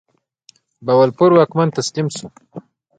بهاولپور واکمن تسلیم شو.